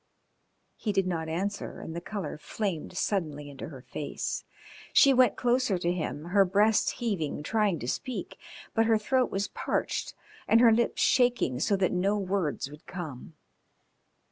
He did not answer and the colour flamed suddenly into her face. She went closer to him, her breast heaving, trying to speak, but her throat was parched and her lips shaking so that no words would come.